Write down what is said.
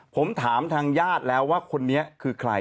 ผมถามทางญาติแล้วว่าคนนี้คือใคร